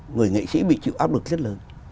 người nghệ sĩ bị chịu áp lực rất lớn